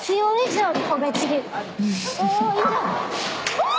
うわ！